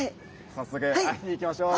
早速会いに行きましょう。